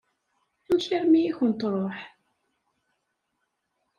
Amek armi i kent-tṛuḥ?